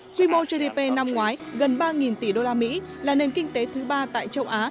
quy mô gdp năm ngoái gần ba tỷ usd là nền kinh tế thứ ba tại châu á